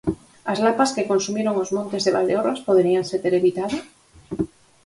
As lapas que consumiron os montes de Valdeorras poderíanse ter evitado?